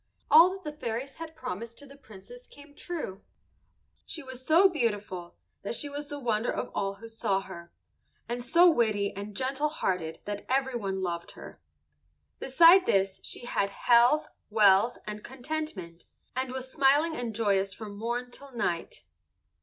All that the fairies had promised to the Princess came true. She was so beautiful that she was the wonder of all who saw her, and so witty and gentle hearted that everyone loved her. Beside this she had health, wealth, and contentment, and was smiling and joyous from morn till night.